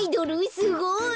すごい。